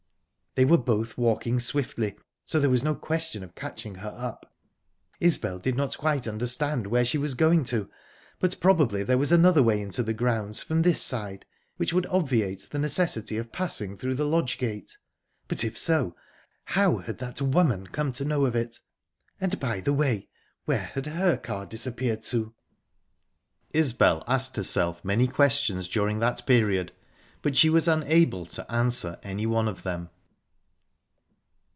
They were both walking swiftly, so there was no question of catching her up. Isbel did not quite understand where she was going to, but probably there was another way into the grounds from this side, which would obviate the necessity of passing through the lodge gate...But, if so, how had that woman come to know of it? And, by the way, where had her car disappeared to? ...Isbel asked herself many questions during that period, but she was unable to answer any one of them.